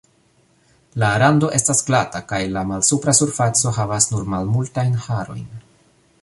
La rando estas glata kaj la malsupra surfaco havas nur malmultajn harojn.